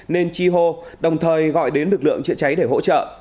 nên chi hô đồng thời gọi đến lực lượng chữa cháy để hỗ trợ